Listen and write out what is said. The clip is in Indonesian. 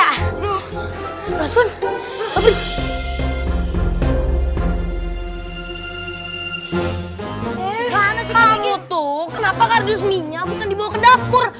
kamu tuh kenapa kardus minya bukan dibawa ke dapur